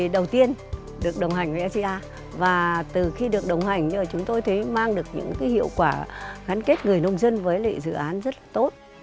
được đồng hành với sga và từ khi được đồng hành chúng tôi thấy mang được những hiệu quả gắn kết người nông dân với dự án rất tốt